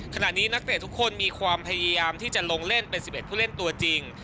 นักเตะทุกคนมีความพยายามที่จะลงเล่นเป็น๑๑ผู้เล่นตัวจริง